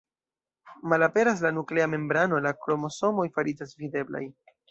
Malaperas la nuklea membrano, la kromosomoj fariĝas videblaj.